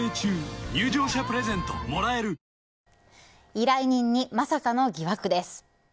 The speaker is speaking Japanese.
依頼人にまさかの疑惑です。